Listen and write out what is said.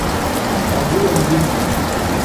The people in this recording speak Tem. Agulonguni.